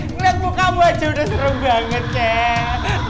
ngeliat mukamu aja udah serem banget kek